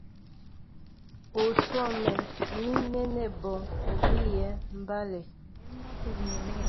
U swɔ́mɛ mi nɛ́nɛ́ bɔŋ u bíyɛ́ mbálɛ.